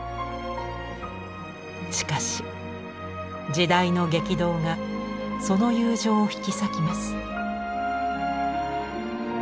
しかし時代の激動がその友情を引き裂きます。